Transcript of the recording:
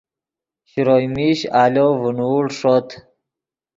شروئے میش آلو ڤینوڑ ݰوت